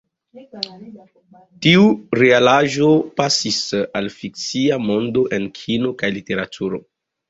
Tiu realaĵo pasis al fikcia mondo en kino kaj literaturo.